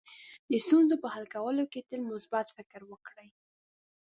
د ستونزو په حل کولو کې تل مثبت فکر وکړئ.